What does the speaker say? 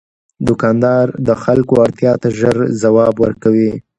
دوکاندار د خلکو اړتیا ته ژر ځواب ورکوي.